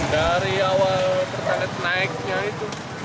dari awal tertarik naiknya itu